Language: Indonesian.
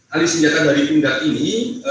ahli senjata dari pinggat ini